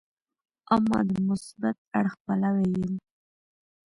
اما د مثبت اړخ پلوی یې یم.